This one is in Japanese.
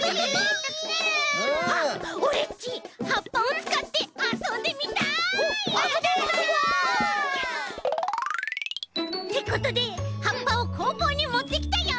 オレっちはっぱをつかってあそんでみたい！あそぼうあそぼう！ってことではっぱを工房にもってきたよ。